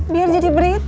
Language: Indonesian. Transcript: biar jadi berita